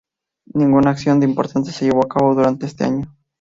Ninguna acción de importancia se llevó a cabo durante este año.